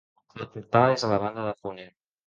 El portal és a la banda de ponent.